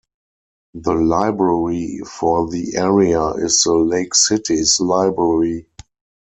The library for the area is the Lake Cities Library.